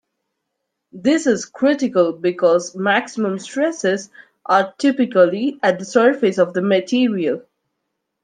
This is critical because maximum stresses are typically at the surface of the material.